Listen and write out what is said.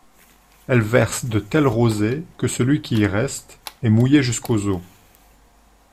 Elle verse de telles rosées que celui qui y reste, est mouillé jusqu'aux os.